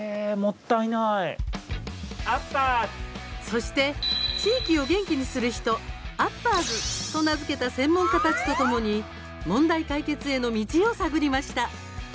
そして地域を元気にする人＝アッパーズと名付けた専門家たちとともに問題解決への道を探りました。